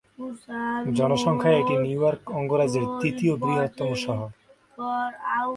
জনসংখ্যায় এটি New York অঙ্গরাজ্যের তৃতীয় বৃহত্তম শহর।